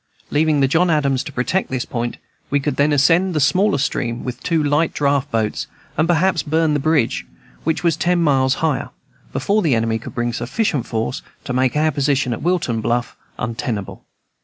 Leaving the John Adams to protect this point, we could then ascend the smaller stream with two light draft boats, and perhaps burn the bridge, which was ten miles higher, before the enemy could bring sufficient force to make our position at Wiltown Bluff untenable.